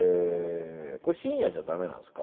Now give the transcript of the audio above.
これ「深夜」じゃ駄目なんですか？